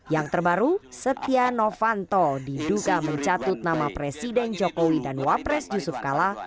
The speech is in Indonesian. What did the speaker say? yang terbaru setia novanto diduga mencatut nama presiden jokowi dan wapres yusuf kala